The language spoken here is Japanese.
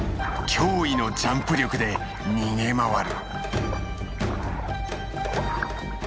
驚異のジャンプ力で逃げ回る。